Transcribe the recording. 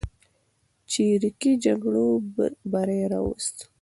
چریکي جګړو بری راوست.